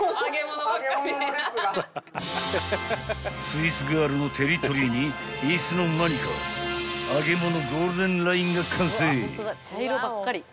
［スイーツガールのテリトリーにいつの間にか揚げ物ゴールデンラインが完成］